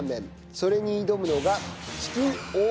それに挑むのが。